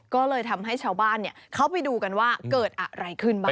ก็เลยทำให้ชาวบ้านเข้าไปดูกันว่าเกิดอะไรขึ้นบ้าง